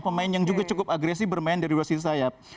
pemain yang juga cukup agresif bermain dari wasit sayap